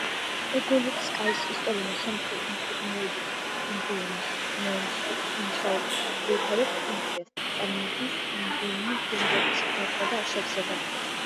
ეგორლიკსკაიის ისტორიულ-მხარეთმცოდნეობითი მუზეუმის მუშაობის ძირითად ფუნქციას წარმოადგენს სამუზეუმო ფონდების დაცვა და შევსება.